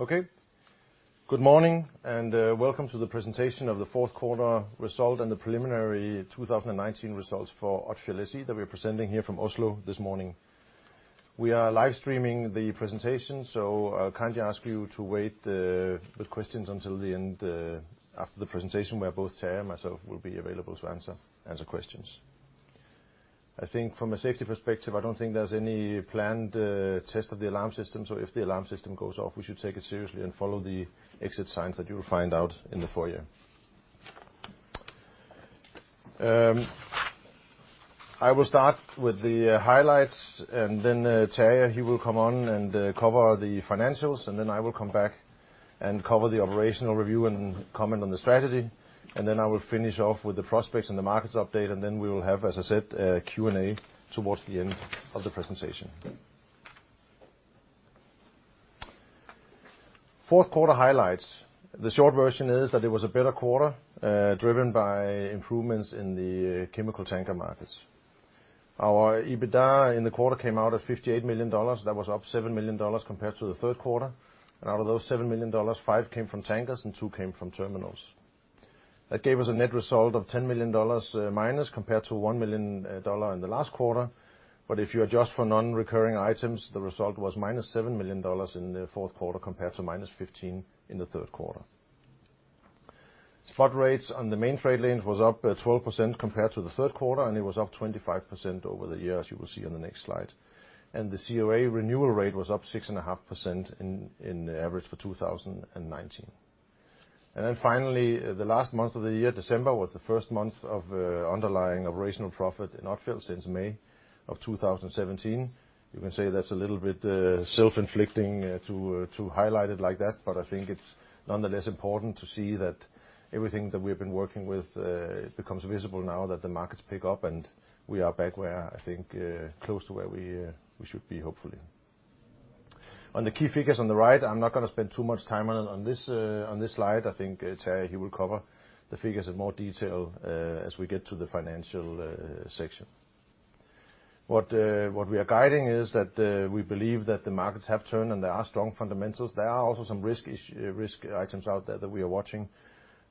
Okay. Good morning and welcome to the presentation of the fourth quarter result and the preliminary 2019 results for Odfjell SE that we are presenting here from Oslo this morning. We are live-streaming the presentation, so kindly ask you to wait with questions until the end, after the presentation where both Terje and myself will be available to answer questions. I think from a safety perspective, I don't think there's any planned test of the alarm system, so if the alarm system goes off, we should take it seriously and follow the exit signs that you'll find out in the foyer. I will start with the highlights and then Terje, he will come on and cover the financials, and then I will come back and cover the operational review and comment on the strategy. I will finish off with the prospects and the markets update, and then we will have, as I said, a Q&A towards the end of the presentation. Fourth quarter highlights. The short version is that it was a better quarter, driven by improvements in the chemical tanker markets. Our EBITDA in the quarter came out at $58 million. That was up $7 million compared to the third quarter. Out of those $7 million, five came from tankers and two came from terminals. That gave us a net result of $10 million, minus compared to $1 million in the last quarter. If you adjust for non-recurring items, the result was minus $7 million in the fourth quarter compared to minus $15 million in the third quarter. Spot rates on the main freight lanes was up, 12% compared to the third quarter, and it was up 25% over the year, as you will see on the next slide. The COA renewal rate was up 6.5% in the average for 2019. Finally, the last month of the year, December, was the first month of underlying operational profit in OTFIL since May of 2017. You can say that's a little bit self-inflicting to highlight it like that, but I think it's nonetheless important to see that everything that we have been working with becomes visible now that the markets pick up and we are back where, I think, close to where we should be, hopefully. On the key figures on the right, I'm not gonna spend too much time on this, on this slide. I think, Terje, he will cover the figures in more detail, as we get to the financial section. What we are guiding is that we believe that the markets have turned and there are strong fundamentals. There are also some risk items out there that we are watching.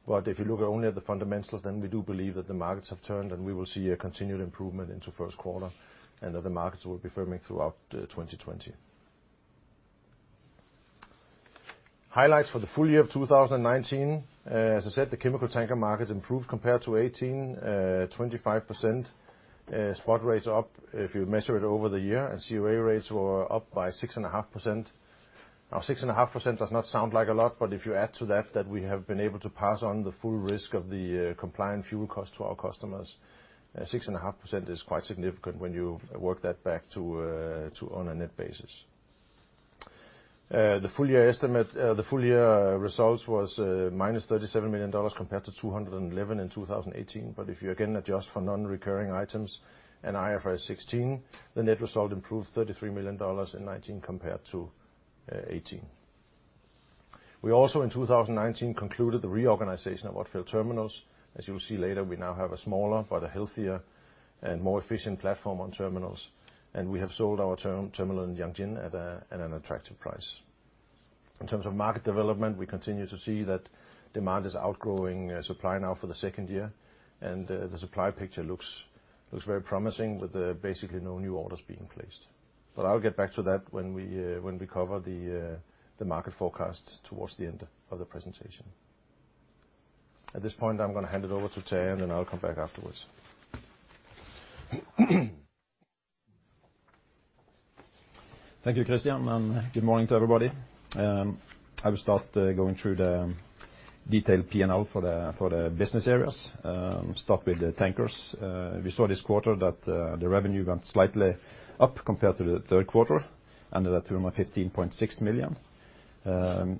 If you look only at the fundamentals, then we do believe that the markets have turned and we will see a continued improvement into first quarter and that the markets will be firming throughout 2020. Highlights for the full year of 2019. As I said, the chemical tanker markets improved compared to 2018, 25% spot rates up if you measure it over the year, and COA rates were up by 6.5%. Now, 6.5% does not sound like a lot, but if you add to that that we have been able to pass on the full risk of the, compliant fuel cost to our customers, 6.5% is quite significant when you work that back to, to on a net basis. The full year estimate, the full year, results was, minus $37 million compared to $211 million in 2018. If you again adjust for non-recurring items and IFRS 16, the net result improved $33 million in 2019 compared to, 2018. We also, in 2019, concluded the reorganization of Nordic Mining terminals. As you'll see later, we now have a smaller but a healthier and more efficient platform on terminals, and we have sold our terminal in Tianjin at a, at an attractive price. In terms of market development, we continue to see that demand is outgrowing supply now for the second year, and the supply picture looks very promising with basically no new orders being placed. I will get back to that when we cover the market forecast towards the end of the presentation. At this point, I'm gonna hand it over to Terje, and then I'll come back afterwards. Thank you, Kristian, and good morning to everybody. I will start going through the detailed P&L for the business areas. Start with the tankers. We saw this quarter that the revenue went slightly up compared to the third quarter, ended at $215.6 million.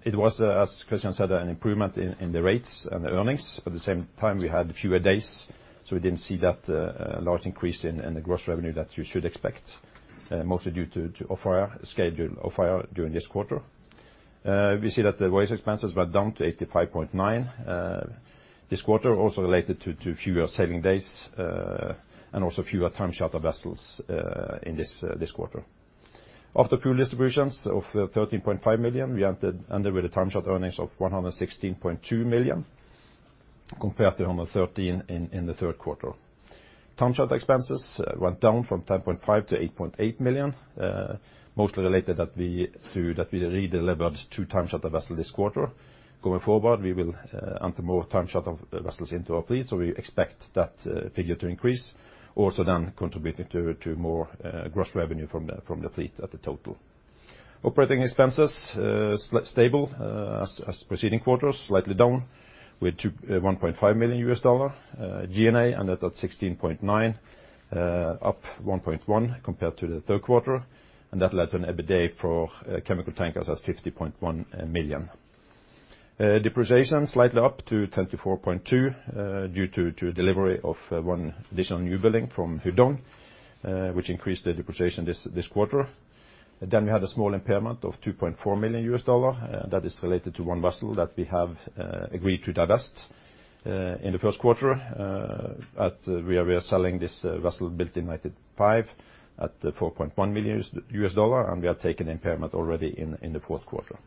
It was, as Kristian said, an improvement in the rates and the earnings. At the same time, we had fewer days, so we did not see that large increase in the gross revenue that you should expect, mostly due to off-hire schedule, off-hire during this quarter. We see that the waste expenses went down to $85.9 million this quarter, also related to fewer sailing days, and also fewer term charter vessels in this quarter. After fuel distributions of $13.5 million, we ended with a term charter earnings of $116.2 million compared to $113 million in the third quarter. Term charter expenses went down from $10.5 million to $8.8 million, mostly related to that we re-delivered two term charter vessels this quarter. Going forward, we will enter more term charter vessels into our fleet, so we expect that figure to increase, also then contributing to more gross revenue from the fleet at the total. Operating expenses stable, as preceding quarters, slightly down with $2 million, $1.5 million. G&A ended at $16.9 million, up $1.1 million compared to the third quarter, and that led to an EBITDA for chemical tankers at $50.1 million. Depreciation slightly up to $24.2 million due to delivery of one additional newbuilding from Hudong, which increased the depreciation this quarter. We had a small impairment of $2.4 million, that is related to one vessel that we have agreed to divest in the first quarter. We are selling this vessel built in 1995 at $4.1 million, and we had taken impairment already in the fourth quarter.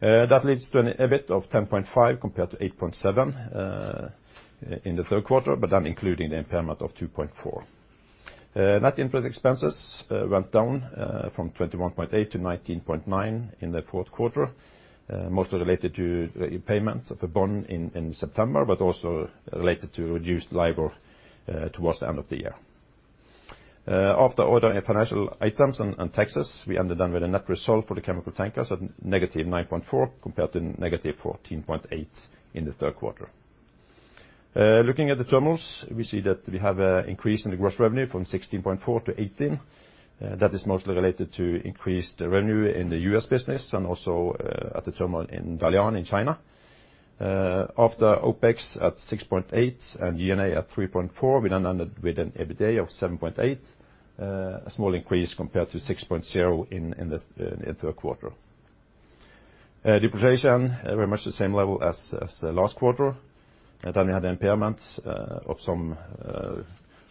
That leads to an EBIT of $10.5 million compared to $8.7 million in the third quarter, but then including the impairment of $2.4 million. Net input expenses went down from $21.8 million to $19.9 million in the fourth quarter, mostly related to the payment of a bond in September, but also related to reduced labor towards the end of the year. After other financial items and taxes, we ended then with a net result for the chemical tankers at negative $9.4 million compared to negative $14.8 million in the third quarter. Looking at the terminals, we see that we have an increase in the gross revenue from $16.4 million to $18 million. That is mostly related to increased revenue in the U.S. business and also at the terminal in Dalian in China. After OpEx at $6.8 million and G&A at $3.4 million, we then ended with an EBITDA of $7.8 million, a small increase compared to $6 million in the third quarter. Depreciation, very much the same level as the last quarter. We had impairments of some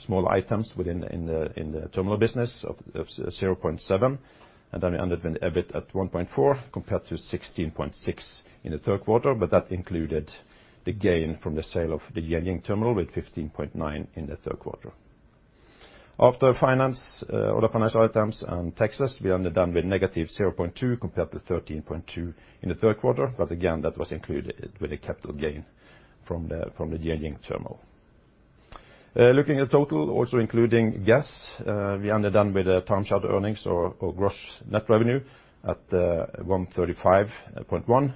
small items within the terminal business of $0.7 million, and we ended with an EBIT at $1.4 million compared to $16.6 million in the third quarter, but that included the gain from the sale of the Yantian terminal with $15.9 million in the third quarter. After finance, other financial items and taxes, we ended then with negative $0.2 compared to $13.2 in the third quarter, but again, that was included with a capital gain from the, from the Yantian terminal. Looking at total, also including gas, we ended then with a term charter earnings or, or gross net revenue at $135.1,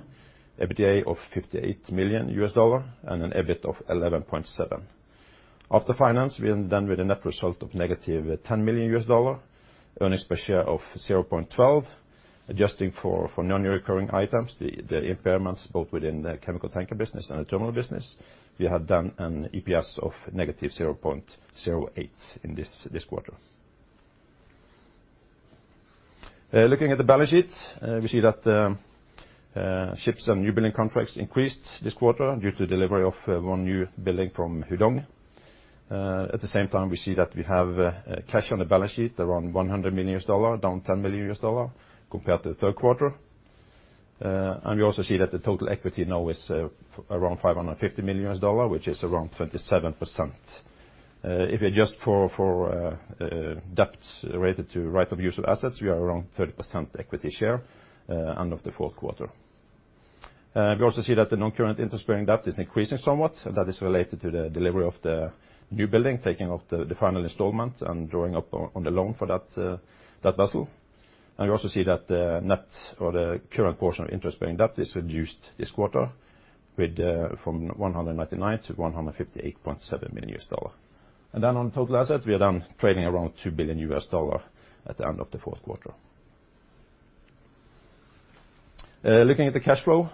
EBITDA of $58 million, and an EBIT of $11.7. After finance, we ended then with a net result of negative $10 million, earnings per share of $0.12, adjusting for, for non-recurring items, the, the impairments both within the chemical tanker business and the terminal business. We had then an EPS of negative $0.08 in this, this quarter. Looking at the balance sheet, we see that, ships and newbuilding contracts increased this quarter due to delivery of one newbuilding from Hudong-Zhonghua Shipbuilding. At the same time, we see that we have cash on the balance sheet around $100 million, down $10 million compared to the third quarter. We also see that the total equity now is around $550 million, which is around 27%. If we adjust for debt related to right of use of assets, we are around 30% equity share, end of the fourth quarter. We also see that the non-current interest-bearing debt is increasing somewhat, and that is related to the delivery of the new building, taking out the final installment and drawing up on the loan for that vessel. We also see that the net or the current portion of interest-bearing debt is reduced this quarter from $199 million to $158.7 million. On total assets, we are then trading around $2 billion at the end of the fourth quarter. Looking at the cash flow,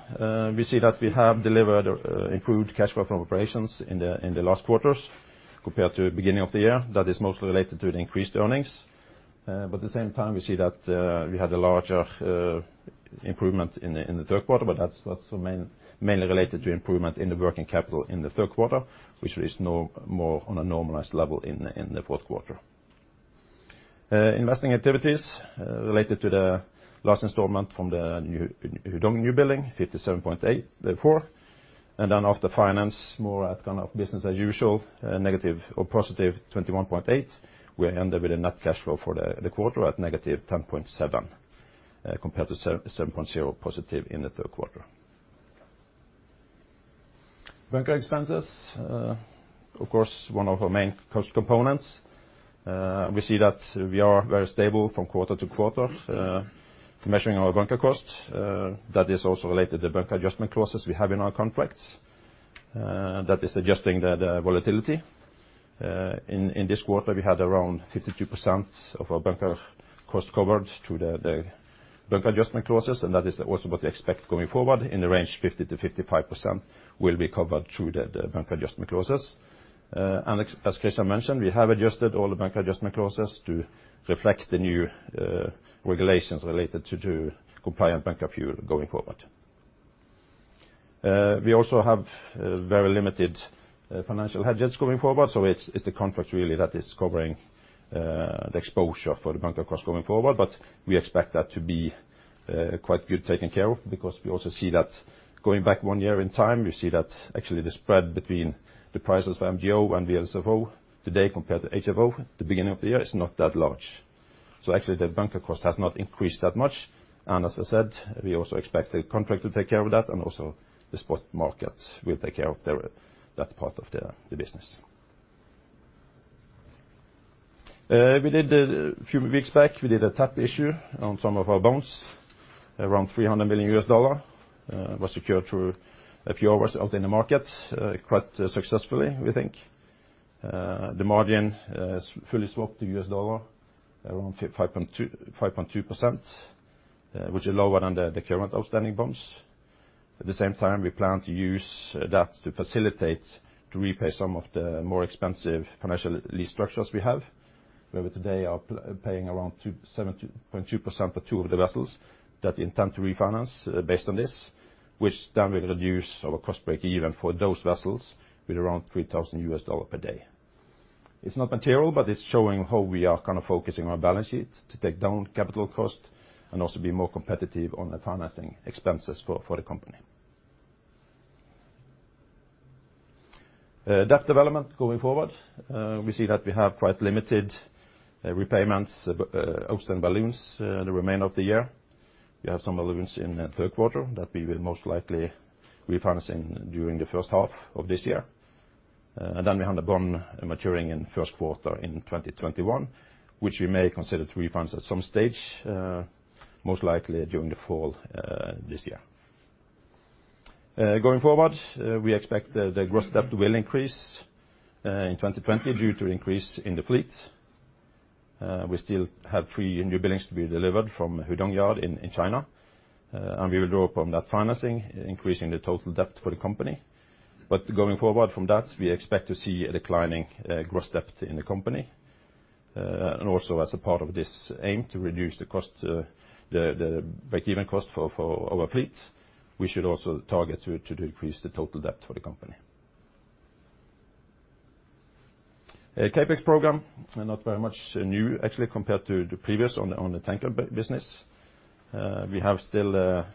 we see that we have delivered improved cash flow from operations in the last quarters compared to the beginning of the year. That is mostly related to the increased earnings. At the same time, we see that we had a larger improvement in the third quarter, but that's mainly related to improvement in the working capital in the third quarter, which leads no more on a normalized level in the fourth quarter. Investing activities related to the last installment from the new Hudong newbuilding, 57.84. After finance, more at kind of business as usual, negative or positive 21.8, we ended with a net cash flow for the quarter at negative 10.7, compared to 7, 7.0 positive in the third quarter. Bunker expenses, of course, one of our main cost components. We see that we are very stable from quarter to quarter, measuring our bunker cost. That is also related to the bunker adjustment clauses we have in our contracts. That is adjusting the volatility. In this quarter, we had around 52% of our bunker cost covered through the bunker adjustment clauses, and that is also what we expect going forward. In the range, 50-55% will be covered through the bunker adjustment clauses. As Kristian mentioned, we have adjusted all the bunker adjustment clauses to reflect the new regulations related to compliant bunker fuel going forward. We also have very limited financial hedges going forward, so it's the contract really that is covering the exposure for the bunker cost going forward, but we expect that to be quite good taken care of because we also see that going back one year in time, we see that actually the spread between the prices for MGO and VLSFO today compared to HFO at the beginning of the year is not that large. Actually, the bunker cost has not increased that much. As I said, we also expect the contract to take care of that, and also the spot market will take care of that part of the business. We did, a few weeks back, we did a tap issue on some of our bonds, around $300 million, was secured through a few hours out in the market, quite successfully, we think. The margin is fully swapped to U.S. dollar, around 5.2%, which is lower than the current outstanding bonds. At the same time, we plan to use that to facilitate, to repay some of the more expensive financial lease structures we have, where we today are paying around 2, 72.2% or two of the vessels that intend to refinance, based on this, which then will reduce our cost break even for those vessels with around $3,000 per day. It's not material, but it's showing how we are kind of focusing on our balance sheet to take down capital cost and also be more competitive on the financing expenses for the company. Debt development going forward, we see that we have quite limited repayments, owes and balloons in the remainder of the year. We have some balloons in the third quarter that we will most likely refinance during the first half of this year. Then we have the bond maturing in first quarter in 2021, which we may consider to refinance at some stage, most likely during the fall this year. Going forward, we expect the gross debt will increase in 2020 due to increase in the fleet. We still have three newbuildings to be delivered from Hudong-Zhonghua Shipbuilding in China, and we will draw upon that financing, increasing the total debt for the company. Going forward from that, we expect to see a declining gross debt in the company. Also as a part of this aim to reduce the cost, the break-even cost for our fleet, we should also target to decrease the total debt for the company. CapEx program, not very much new actually compared to the previous on the tanker business. We have still a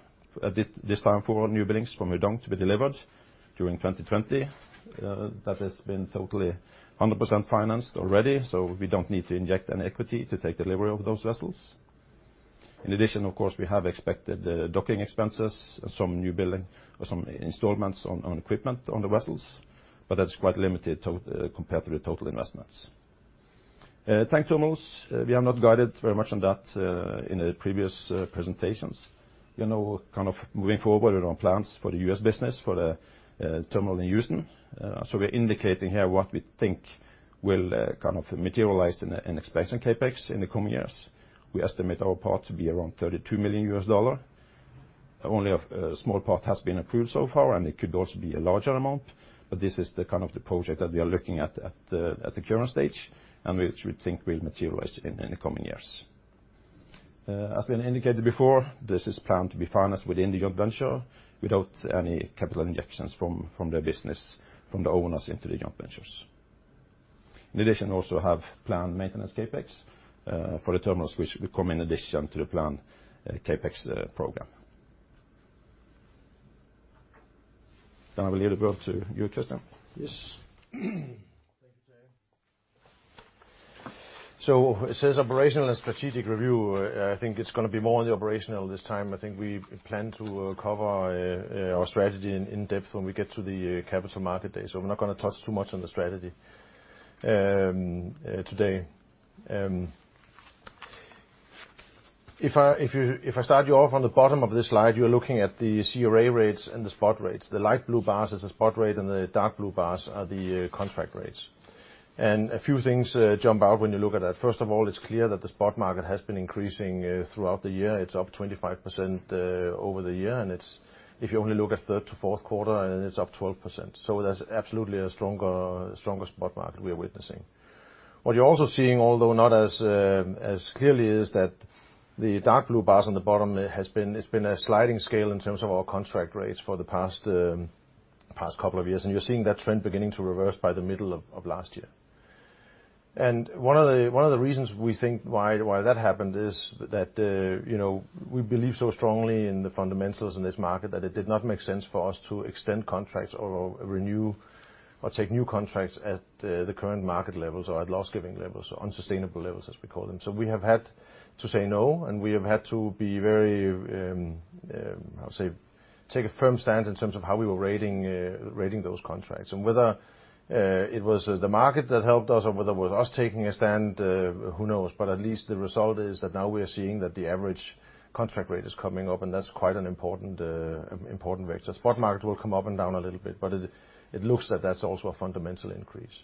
delivery this time for newbuildings from Hudong to be delivered during 2020. That has been totally 100% financed already, so we do not need to inject any equity to take delivery of those vessels. In addition, of course, we have expected the docking expenses and some newbuilding or some installments on equipment on the vessels, but that is quite limited compared to the total investments. Tank terminals, we have not guided very much on that in the previous presentations. We are now kind of moving forward with our plans for the U.S. business for the terminal in Houston. We are indicating here what we think will kind of materialize in expansion CapEx in the coming years. We estimate our part to be around $32 million. Only a small part has been approved so far, and it could also be a larger amount, but this is kind of the project that we are looking at at the current stage, and which we think will materialize in the coming years. As we indicated before, this is planned to be financed within the joint venture without any capital injections from the business, from the owners into the joint ventures. In addition, we also have planned maintenance CapEx for the terminals, which will come in addition to the planned CapEx program. I will leave the word to you, Kristian. Yes. Thank you, Jay. It says operational and strategic review. I think it's gonna be more on the operational this time. I think we plan to cover our strategy in depth when we get to the capital market day. We're not gonna touch too much on the strategy today. If I start you off on the bottom of this slide, you're looking at the CRA rates and the spot rates. The light blue bars is the spot rate, and the dark blue bars are the contract rates. A few things jump out when you look at that. First of all, it's clear that the spot market has been increasing throughout the year. It's up 25% over the year, and if you only look at third to fourth quarter, it's up 12%. That is absolutely a stronger, stronger spot market we are witnessing. What you are also seeing, although not as clearly, is that the dark blue bars on the bottom have been a sliding scale in terms of our contract rates for the past couple of years, and you are seeing that trend beginning to reverse by the middle of last year. One of the reasons we think that happened is that, you know, we believe so strongly in the fundamentals in this market that it did not make sense for us to extend contracts or renew or take new contracts at the current market levels or at loss-giving levels, unsustainable levels, as we call them. We have had to say no, and we have had to be very, I'll say, take a firm stance in terms of how we were rating those contracts. Whether it was the market that helped us or whether it was us taking a stand, who knows. At least the result is that now we are seeing that the average contract rate is coming up, and that's quite an important, important vector. Spot market will come up and down a little bit, but it looks that that's also a fundamental increase.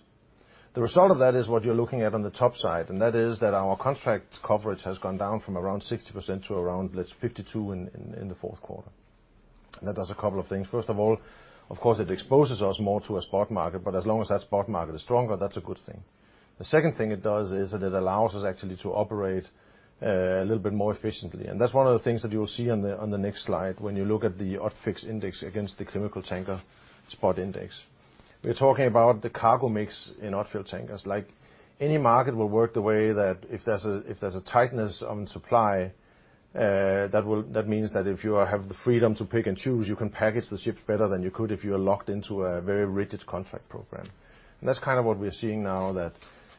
The result of that is what you're looking at on the top side, and that is that our contract coverage has gone down from around 60% to around, let's say, 52% in the fourth quarter. That does a couple of things. First of all, of course, it exposes us more to a spot market, but as long as that spot market is stronger, that's a good thing. The second thing it does is that it allows us actually to operate a little bit more efficiently. That's one of the things that you'll see on the next slide when you look at the ODFIX index against the chemical tanker spot index. We're talking about the cargo mix in our fuel tankers. Like, any market will work the way that if there's a tightness on supply, that means that if you have the freedom to pick and choose, you can package the ships better than you could if you are locked into a very rigid contract program. That's kind of what we're seeing now, that,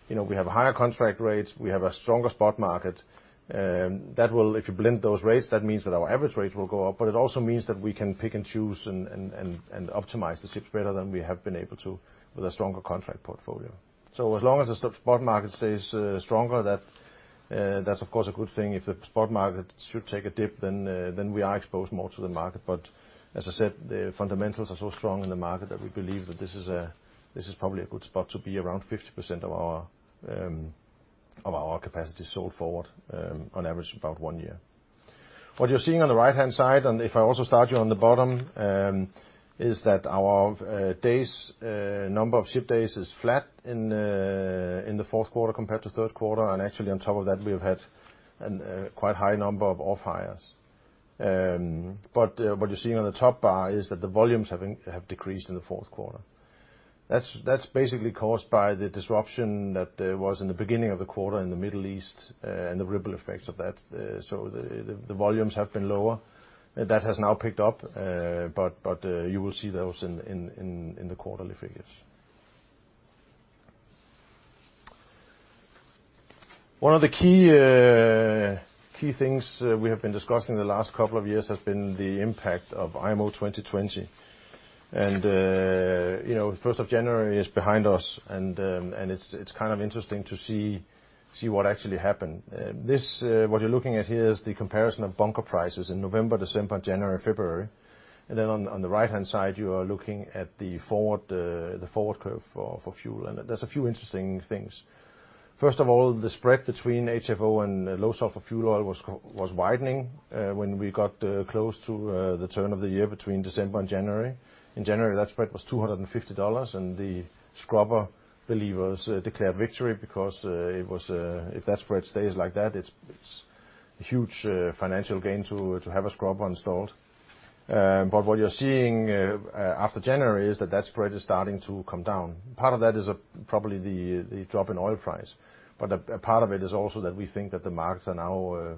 you know, we have a higher contract rate, we have a stronger spot market. If you blend those rates, that means that our average rates will go up, but it also means that we can pick and choose and optimize the ships better than we have been able to with a stronger contract portfolio. As long as the spot market stays stronger, that's, of course, a good thing. If the spot market should take a dip, then we are exposed more to the market. As I said, the fundamentals are so strong in the market that we believe that this is probably a good spot to be, around 50% of our capacity sold forward, on average about one year. What you're seeing on the right-hand side, and if I also start you on the bottom, is that our days, number of ship days is flat in the fourth quarter compared to third quarter. Actually, on top of that, we have had a quite high number of off-hires. What you're seeing on the top bar is that the volumes have decreased in the fourth quarter. That's basically caused by the disruption that was in the beginning of the quarter in the Middle East, and the ripple effects of that. The volumes have been lower, and that has now picked up, but you will see those in the quarterly figures. One of the key things we have been discussing the last couple of years has been the impact of IMO 2020. You know, 1st of January is behind us, and it's kind of interesting to see what actually happened. This, what you're looking at here is the comparison of bunker prices in November, December, January, February. On the right-hand side, you are looking at the forward curve for fuel. There are a few interesting things. First of all, the spread between HFO and low sulfur fuel oil was widening when we got close to the turn of the year between December and January. In January, that spread was $250, and the Scrubber believers declared victory because, if that spread stays like that, it's a huge financial gain to have a Scrubber installed. What you're seeing after January is that that spread is starting to come down. Part of that is probably the drop in oil price, but a part of it is also that we think that the markets are now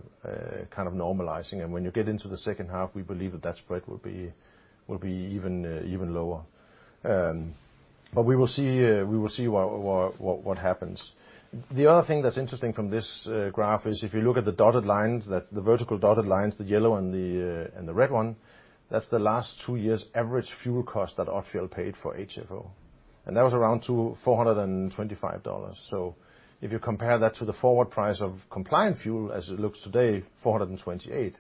kind of normalizing. When you get into the second half, we believe that that spread will be even lower. We will see what happens. The other thing that's interesting from this graph is if you look at the dotted lines, the vertical dotted lines, the yellow and the red one, that's the last two years' average fuel cost that Odfjell paid for HFO. That was around $425. If you compare that to the forward price of compliant fuel as it looks today, $428,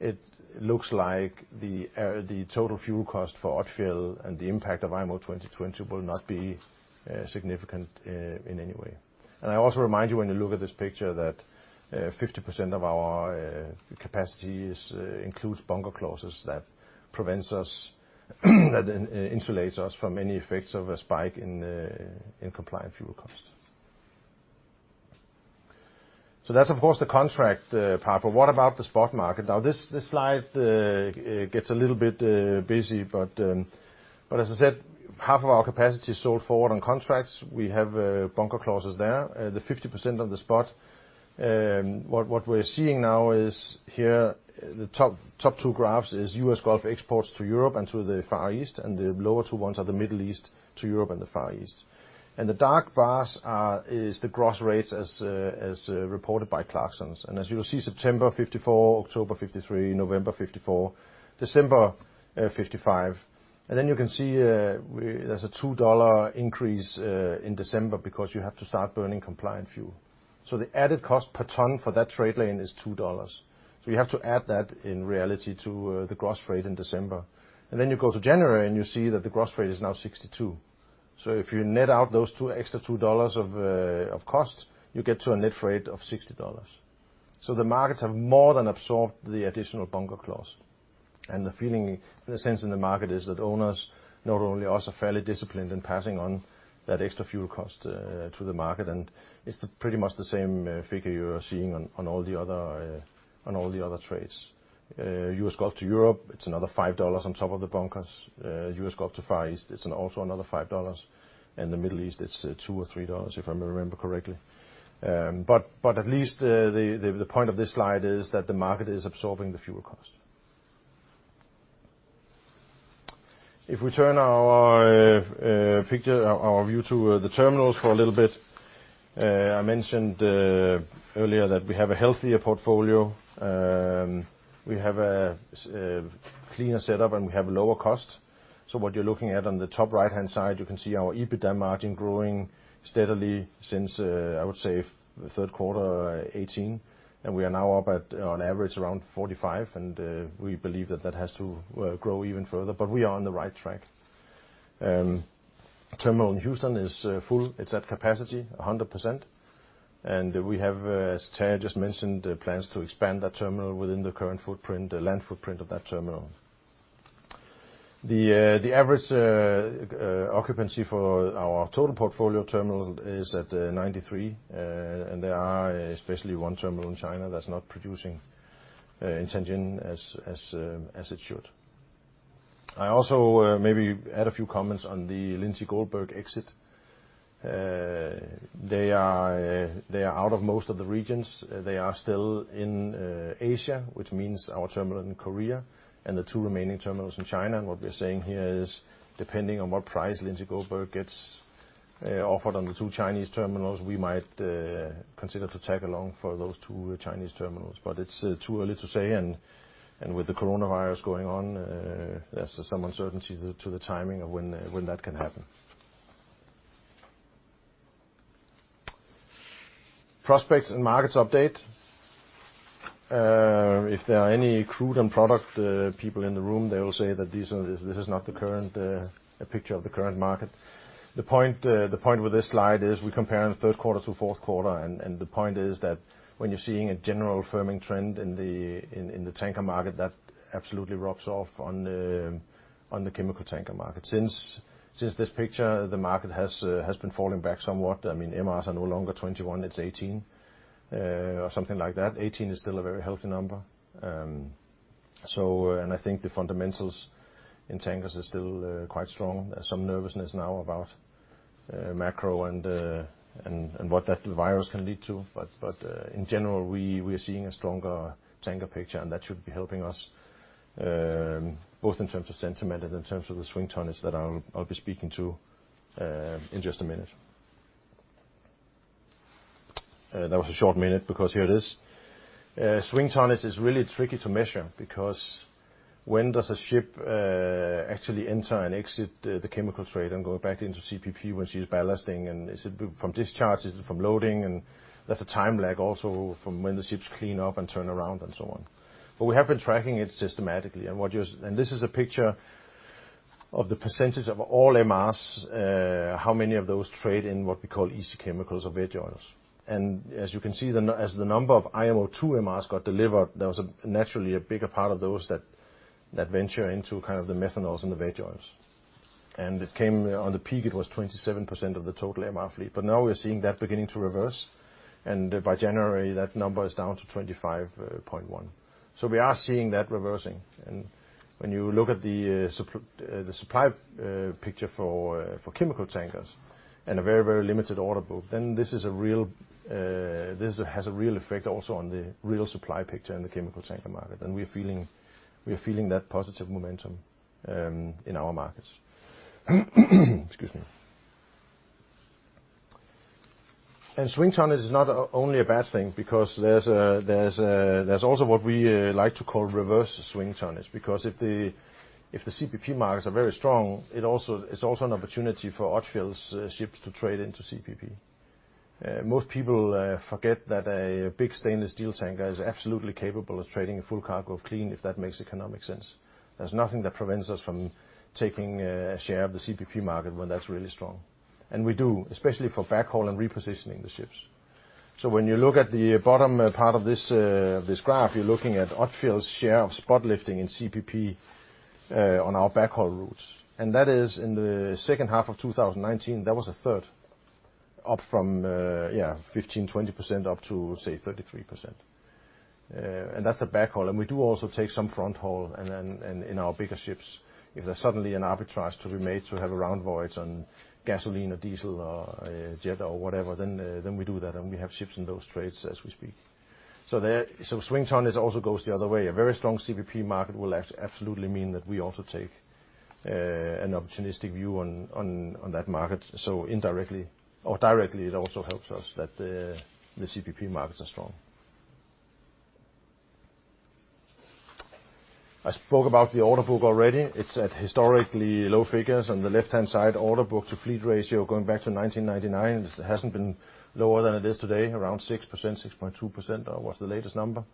it looks like the total fuel cost for Odfjell and the impact of IMO 2020 will not be significant in any way. I also remind you when you look at this picture that 50% of our capacity includes bunker clauses that insulate us from any effects of a spike in compliant fuel cost. That is, of course, the contract part, but what about the spot market? Now, this slide gets a little bit busy, but as I said, half of our capacity is sold forward on contracts. We have bunker clauses there. The 50% of the spot, what we're seeing now is here, the top two graphs are U.S. Gulf exports to Europe and to the Far East, and the lower two ones are the Middle East to Europe and the Far East. The dark bars are the gross rates as reported by Clarkson's. As you'll see, September '54, October '53, November '54, December '55. You can see, we there's a $2 increase in December because you have to start burning compliant fuel. The added cost per ton for that freight lane is $2. You have to add that in reality to the gross freight in December. You go to January, and you see that the gross freight is now $62. If you net out those two extra $2 of cost, you get to a net freight of $60. The markets have more than absorbed the additional bunker clause. The feeling, in a sense, in the market is that owners, not only us, are fairly disciplined in passing on that extra fuel cost to the market. It's pretty much the same figure you're seeing on all the other trades. US Gulf to Europe, it's another $5 on top of the bunkers. U.S. Gulf to Far East, it's also another $5. In the Middle East, it's $2 or $3, if I remember correctly. At least, the point of this slide is that the market is absorbing the fuel cost. If we turn our picture, our view to the terminals for a little bit, I mentioned earlier that we have a healthier portfolio. We have a cleaner setup, and we have a lower cost. What you're looking at on the top right-hand side, you can see our EBITDA margin growing steadily since, I would say, third quarter, 2018. We are now up at, on average, around 45%, and we believe that that has to grow even further, but we are on the right track. Terminal in Houston is full. It's at capacity, 100%. We have, as Terje just mentioned, plans to expand that terminal within the current footprint, the land footprint of that terminal. The average occupancy for our total portfolio terminal is at 93%, and there is especially one terminal in China that is not producing, in Tianjin, as it should. I also maybe add a few comments on the Lindsey Goldberg exit. They are out of most of the regions. They are still in Asia, which means our terminal in Korea and the two remaining terminals in China. What we are saying here is, depending on what price Lindsey Goldberg gets offered on the two Chinese terminals, we might consider to tag along for those two Chinese terminals. It is too early to say, and with the coronavirus going on, there is some uncertainty to the timing of when that can happen. Prospects and markets update. If there are any crude and product people in the room, they will say that this is not the current picture of the market. The point with this slide is we compare third quarter to fourth quarter, and the point is that when you're seeing a general firming trend in the tanker market, that absolutely rocks off on the chemical tanker market. Since this picture, the market has been falling back somewhat. I mean, MRs are no longer 21; it's 18, or something like that. 18 is still a very healthy number. I think the fundamentals in tankers are still quite strong. There's some nervousness now about macro and what that virus can lead to. In general, we are seeing a stronger tanker picture, and that should be helping us, both in terms of sentiment and in terms of the swing tonnage that I'll be speaking to in just a minute. That was a short minute because here it is. Swing tonnage is really tricky to measure because when does a ship actually enter and exit the chemical trade and go back into CPP when she's ballasting? Is it from discharge? Is it from loading? There is a time lag also from when the ships clean up and turn around and so on. We have been tracking it systematically. What you're seeing here is a picture of the percentage of all MRs, how many of those trade in what we call EC chemicals or vejoils. As you can see, as the number of IMO 2 MRs got delivered, there was naturally a bigger part of those that venture into kind of the methanols and the vejoils. It came, on the peak, it was 27% of the total MR fleet. Now we are seeing that beginning to reverse. By January, that number is down to 25.1%. We are seeing that reversing. When you look at the supply picture for chemical tankers and a very, very limited order book, this has a real effect also on the real supply picture in the chemical tanker market. We are feeling that positive momentum in our markets. Excuse me. Swing tonnage is not only a bad thing because there's also what we like to call reverse swing tonnage because if the CPP markets are very strong, it also is an opportunity for OTFIL's ships to trade into CPP. Most people forget that a big stainless steel tanker is absolutely capable of trading a full cargo of clean if that makes economic sense. There's nothing that prevents us from taking a share of the CPP market when that's really strong. We do, especially for backhaul and repositioning the ships. When you look at the bottom part of this graph, you're looking at OTFIL's share of spot lifting in CPP on our backhaul routes. In the second half of 2019, that was a third up from, yeah, 15-20% up to, say, 33%. That's the backhaul. We do also take some front haul in our bigger ships. If there's suddenly an arbitrage to be made to have a round voyage on gasoline or diesel or jet or whatever, we do that. We have ships in those trades as we speak. Swing tonnage also goes the other way. A very strong CPP market will absolutely mean that we also take an opportunistic view on that market. Indirectly or directly, it also helps us that the CPP markets are strong. I spoke about the order book already. It's at historically low figures. On the left-hand side, order book to fleet ratio going back to 1999 hasn't been lower than it is today, around 6%, 6.2% was the latest number.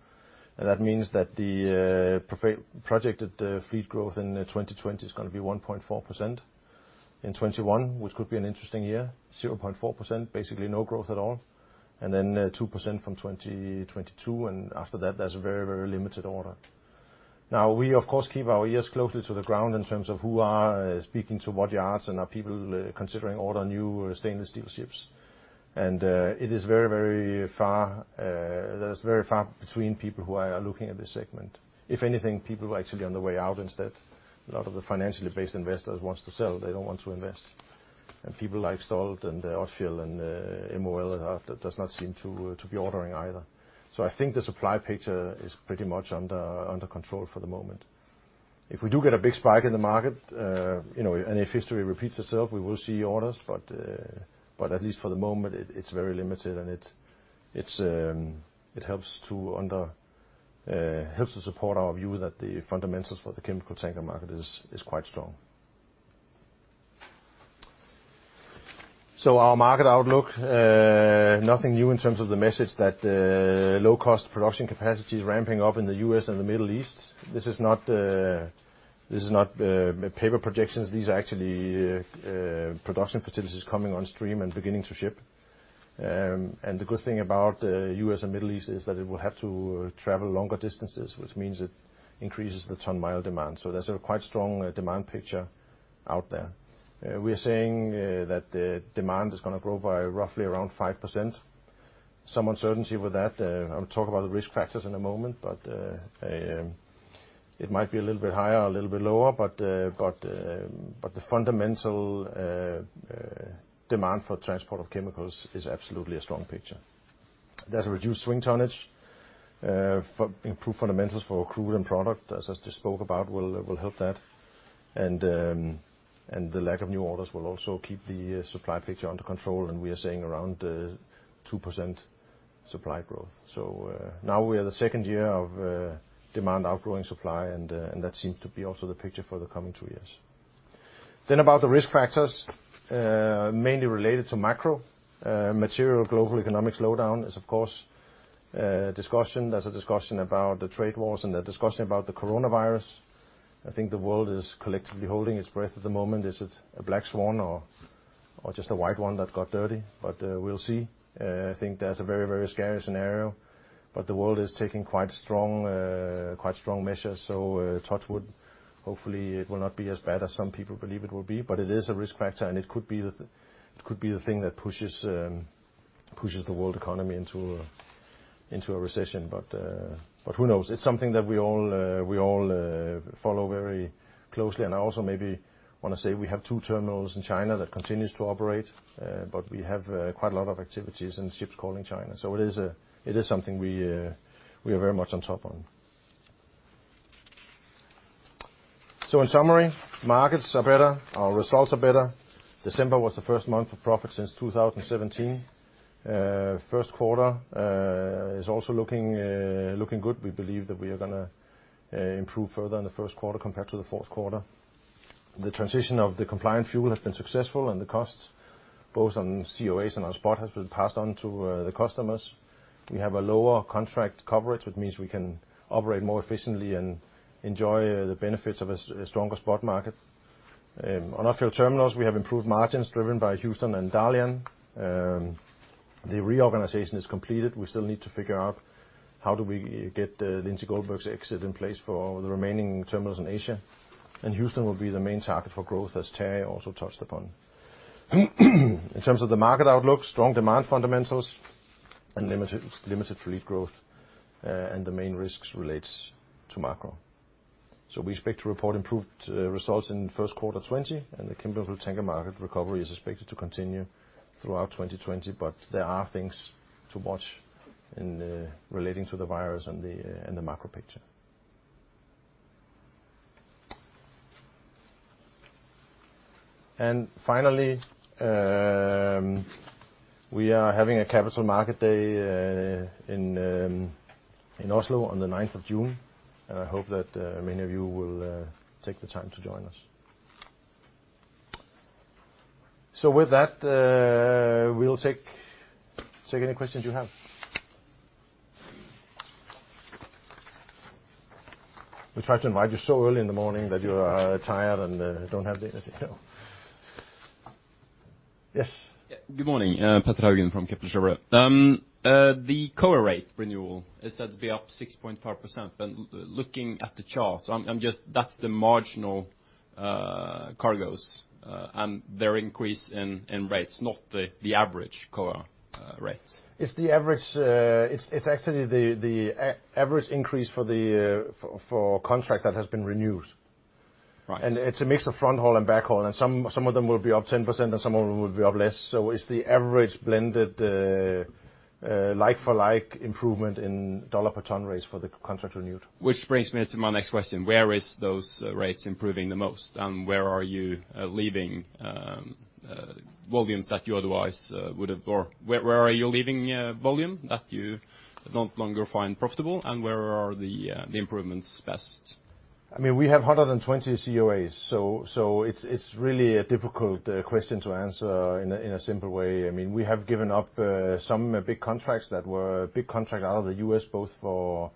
That means that the projected fleet growth in 2020 is gonna be 1.4%. In 2021, which could be an interesting year, 0.4%, basically no growth at all. Then, 2% from 2022. After that, there is a very, very limited order. We, of course, keep our ears closely to the ground in terms of who are speaking to what yards, and are people considering ordering new stainless steel ships? It is very, very far—there is very far between people who are looking at this segment. If anything, people were actually on the way out instead. A lot of the financially based investors want to sell. They do not want to invest. People like Stolt-Nielsen and Odfjell and MOL do not seem to be ordering either. I think the supply picture is pretty much under control for the moment. If we do get a big spike in the market, you know, and if history repeats itself, we will see orders. At least for the moment, it's very limited, and it helps to support our view that the fundamentals for the chemical tanker market is quite strong. Our market outlook, nothing new in terms of the message that low cost production capacity is ramping up in the U.S. and the Middle East. This is not paper projections. These are actually production facilities coming on stream and beginning to ship. The good thing about U.S. and Middle East is that it will have to travel longer distances, which means it increases the ton mile demand. There's a quite strong demand picture out there. We are saying that the demand is gonna grow by roughly around 5%. Some uncertainty with that. I'll talk about the risk factors in a moment, but it might be a little bit higher or a little bit lower, but the fundamental demand for transport of chemicals is absolutely a strong picture. There's a reduced swing tonnage, for improved fundamentals for crude and product, as I just spoke about, will help that. The lack of new orders will also keep the supply picture under control. We are seeing around 2% supply growth. Now we are the second year of demand outgrowing supply, and that seems to be also the picture for the coming two years. About the risk factors, mainly related to macro, material global economic slowdown is, of course, discussion. There's a discussion about the trade wars and the discussion about the coronavirus. I think the world is collectively holding its breath at the moment. Is it a black swan or just a white one that got dirty? We'll see. I think there's a very, very scary scenario, but the world is taking quite strong, quite strong measures. Hopefully, it will not be as bad as some people believe it will be, but it is a risk factor, and it could be the thing that pushes the world economy into a recession. Who knows? It's something that we all follow very closely. I also maybe want to say we have two terminals in China that continue to operate, but we have quite a lot of activities and ships calling China. It is something we are very much on top of. In summary, markets are better. Our results are better. December was the first month of profit since 2017. First quarter is also looking good. We believe that we are gonna improve further in the first quarter compared to the fourth quarter. The transition of the compliant fuel has been successful, and the cost, both on COAs and on spot, has been passed on to the customers. We have a lower contract coverage, which means we can operate more efficiently and enjoy the benefits of a stronger spot market. On OTFIL terminals, we have improved margins driven by Houston and Dalian. The reorganization is completed. We still need to figure out how do we get Lindsey Goldberg's exit in place for the remaining terminals in Asia. Houston will be the main target for growth, as Ted also touched upon. In terms of the market outlook, strong demand fundamentals and limited, limited fleet growth, and the main risks relates to macro. We expect to report improved results in first quarter 2020, and the chemical tanker market recovery is expected to continue throughout 2020. There are things to watch in, relating to the virus and the, and the macro picture. Finally, we are having a capital market day in Oslo on the 9th of June, and I hope that many of you will take the time to join us. With that, we'll take any questions you have. We tried to invite you so early in the morning that you are tired and don't have the energy. Yes. Yeah. Good morning. [Peter Hagen from Kepler Cheuvreux]. The COA rate renewal, is that be up 6.5%? Looking at the charts, I'm just, that's the marginal cargoes, and their increase in rates, not the average COA rates. It's the average, it's actually the average increase for the contract that has been renewed. Right. It's a mix of front haul and backhaul, and some of them will be up 10%, and some of them will be up less. It's the average blended, like-for-like improvement in dollar per ton rates for the contract renewed. Which brings me to my next question. Where is those rates improving the most, and where are you leaving volumes that you otherwise would have, or where are you leaving volume that you no longer find profitable, and where are the improvements best? I mean, we have 120 COAs. It's really a difficult question to answer in a simple way. I mean, we have given up some big contracts that were big contracts out of the US, both for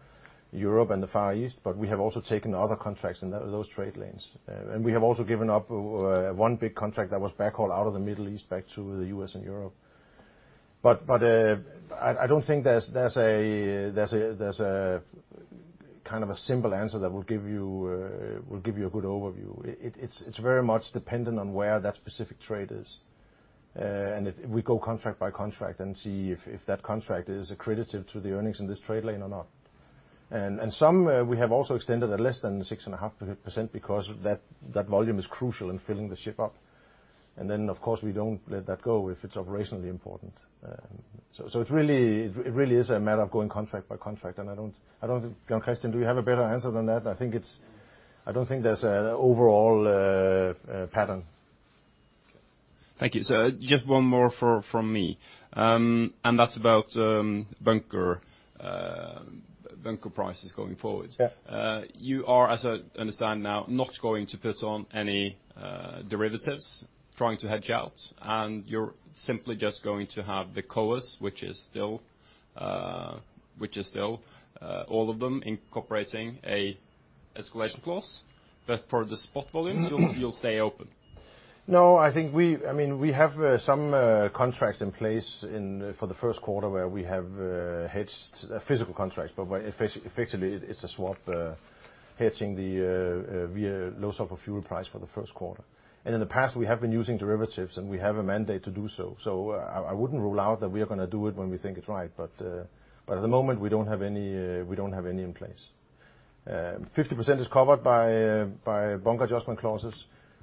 Europe and the Far East, but we have also taken other contracts in those trade lanes. We have also given up one big contract that was backhaul out of the Middle East back to the U.S. and Europe. I don't think there's a kind of a simple answer that will give you a good overview. It's very much dependent on where that specific trade is, and we go contract by contract and see if that contract is accredited to the earnings in this trade lane or not. We have also extended at less than 6.5% because that volume is crucial in filling the ship up. Of course, we do not let that go if it is operationally important. It really is a matter of going contract by contract. I do not think, [John Kristian, do you have a better answer than that? I think it is, I do not think there is an overall pattern. Thank you. Just one more from me, and that is about bunker prices going forward. You are, as I understand now, not going to put on any derivatives, trying to hedge out, and you are simply just going to have the COAs, which is still, all of them incorporating an escalation clause. For the spot volumes, you will stay open. No, I think we, I mean, we have some contracts in place in, for the first quarter where we have hedged physical contracts. What effectively, it's a swap, hedging the, via low sulfur fuel price for the first quarter. In the past, we have been using derivatives, and we have a mandate to do so. I wouldn't rule out that we are gonna do it when we think it's right. At the moment, we don't have any, we don't have any in place. 50% is covered by bunker adjustment clauses,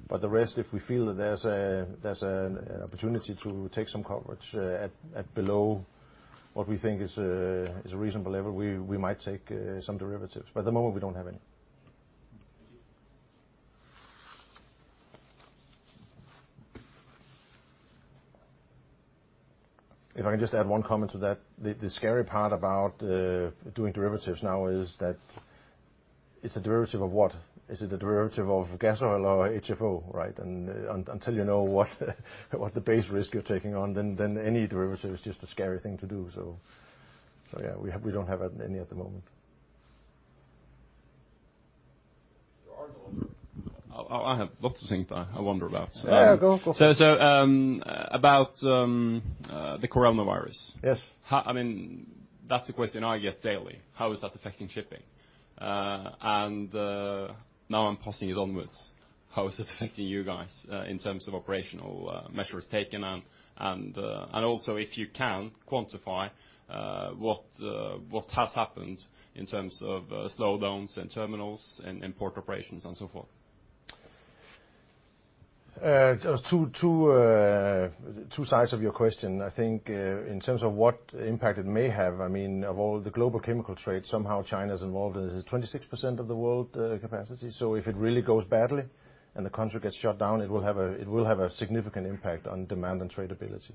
but the rest, if we feel that there's a, there's an opportunity to take some coverage, at, at below what we think is a reasonable level, we might take some derivatives. At the moment, we don't have any. If I can just add one comment to that, the scary part about doing derivatives now is that it's a derivative of what? Is it a derivative of gas oil or HFO, right? And until you know what the base risk you're taking on, then any derivative is just a scary thing to do. Yeah, we don't have any at the moment. There are no other. I have lots of things that I wonder about, so. Yeah, go. About the coronavirus. Yes. I mean, that's a question I get daily. How is that affecting shipping? Now I'm passing it onwards. How is it affecting you guys, in terms of operational measures taken, and also if you can quantify what has happened in terms of slowdowns in terminals and port operations and so forth? Two sides of your question. I think, in terms of what impact it may have, I mean, of all the global chemical trade, somehow China is involved in this, it is 26% of the world capacity. If it really goes badly and the country gets shut down, it will have a significant impact on demand and tradability.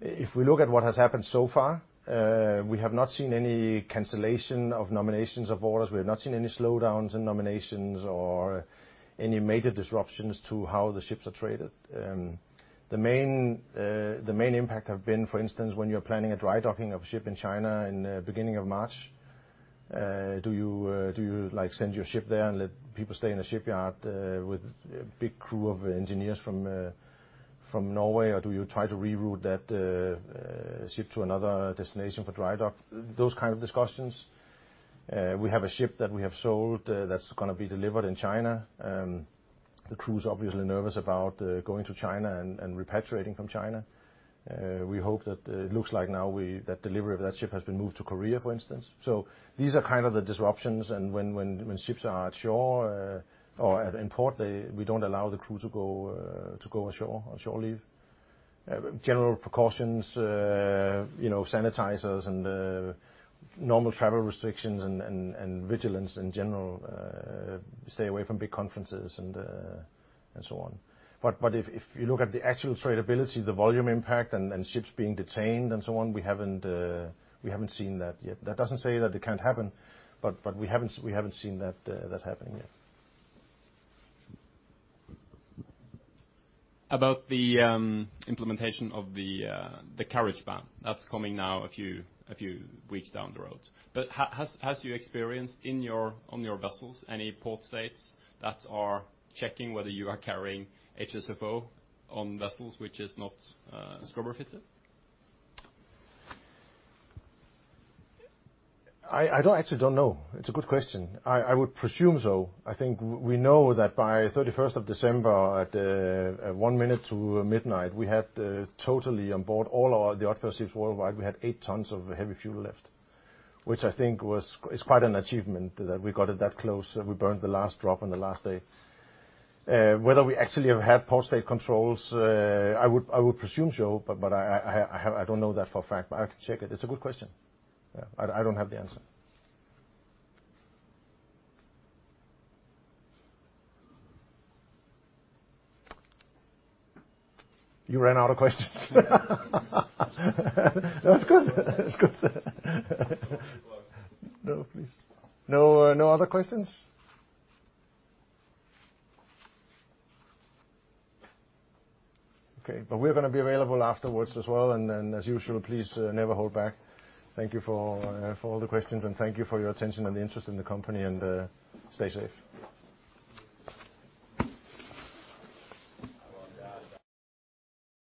If we look at what has happened so far, we have not seen any cancellation of nominations of orders. We have not seen any slowdowns in nominations or any major disruptions to how the ships are traded. The main impact has been, for instance, when you're planning a dry docking of a ship in China in the beginning of March, do you, like, send your ship there and let people stay in the shipyard, with a big crew of engineers from Norway, or do you try to reroute that ship to another destination for dry dock? Those kind of discussions. We have a ship that we have sold, that's going to be delivered in China. The crew's obviously nervous about going to China and repatriating from China. We hope that, it looks like now that delivery of that ship has been moved to Korea, for instance. These are kind of the disruptions. When ships are at shore, or in port, we don't allow the crew to go ashore on shore leave. General precautions, you know, sanitizers and normal travel restrictions and vigilance in general, stay away from big conferences and so on. If you look at the actual tradability, the volume impact and ships being detained and so on, we haven't seen that yet. That doesn't say that it can't happen, but we haven't seen that happening yet. About the implementation of the carriage ban, that's coming now a few weeks down the road. Has you experienced on your vessels any port states that are checking whether you are carrying HSFO on vessels which are not scrubber fitted? I don't actually know. It's a good question. I would presume so. I think we know that by 31st of December at one minute to midnight, we had totally on board all our OTFIL ships worldwide, we had eight tons of heavy fuel left, which I think is quite an achievement that we got it that close. We burned the last drop on the last day. Whether we actually have had port state controls, I would presume so, but I don't know that for a fact, but I can check it. It's a good question. Yeah, I don't have the answer. You ran out of questions. That's good. That's good. No, please. No, no other questions? Okay. We're gonna be available afterwards as well. As usual, please, never hold back. Thank you for all the questions, and thank you for your attention and the interest in the company. Stay safe.